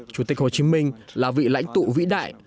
chủ tịch hồ chí minh là vị lãnh tụ vĩ đại